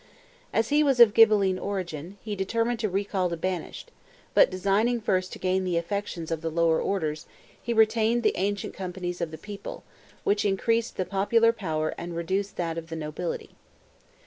As he was of Ghibelline origin, he determined to recall the banished; but designing first to gain the affections of the lower orders, he renewed the ancient companies of the people, which increased the popular power and reduced that of the nobility.